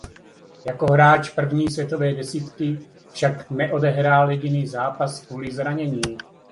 Jako hráč první světové desítky však neodehrál jediný zápas kvůli zranění.